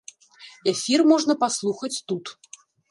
Эфір можна паслухаць тут.